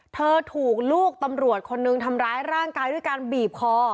เธอถูกลูกตำรวจคนนึงทำร้ายร่างกายด้วยการบีบคอ